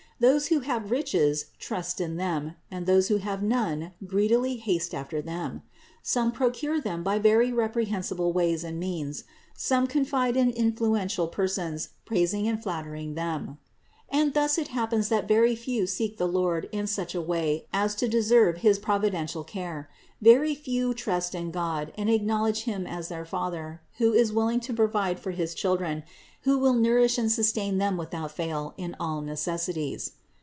Those who have riches, trust in them, and those who have none, greedily haste after them; some procure them by very reprehensible ways and means; some confide in influential persons, praising and flattering them. And thus it happens that very few seek the Lord in such a way as to deserve his providential care; very few trust in God and acknowledge Him as their Father, THE INCARNATION 547 who is willing* to provide for his children, who will nour ish and sustain them without fail in all necessities.